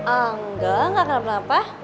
enggak gak kenapa kenapa